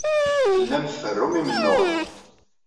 Tellam tferrum imennuɣen.